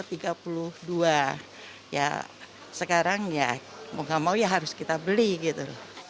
ya sekarang ya mau gak mau ya harus kita beli gitu